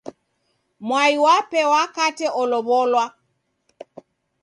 Mwai wape wakate olow'olwa.